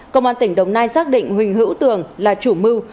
công an tỉnh đồng nai xác định huỳnh hữu tường là chủ mưu